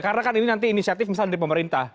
karena kan ini nanti inisiatif misalnya dari pemerintah